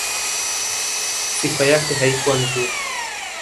Sifa yake haikuwa nzuri.